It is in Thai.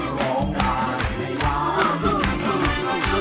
รูปสุดงามสมสังคมเครื่องใครแต่หน้าเสียดายใจทดสกัน